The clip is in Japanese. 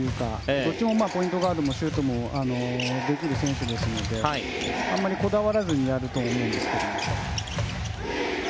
どっちもポイントガードもシュートもできる選手ですのであまりこだわらずにやると思うんですけども。